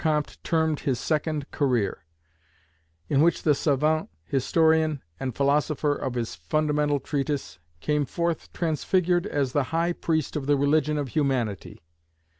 Comte termed his second career, in which the savant, historian, and philosopher of his fundamental treatise, came forth transfigured as the High Priest of the Religion of Humanity.